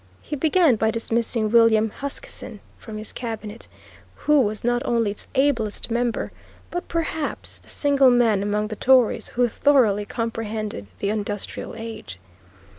He began by dismissing William Huskisson from his Cabinet, who was not only its ablest member, but perhaps the single man among the Tories who thoroughly comprehended the industrial age.